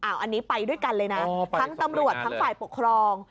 อันนี้ไปด้วยกันเลยนะทั้งตำรวจทั้งฝ่ายปกครอง